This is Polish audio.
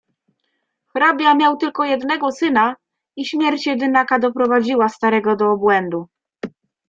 "Hrabia miał tylko jednego syna i śmierć jedynaka doprowadziła starego do obłędu."